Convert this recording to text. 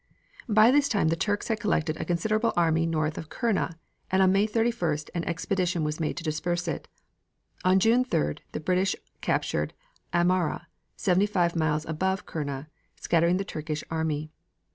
By this time the Turks had collected a considerable army north of Kurna, and on May 31st an expedition was made to disperse it. On June 3d the British captured Amara, seventy five miles above Kurna, scattering the Turkish army.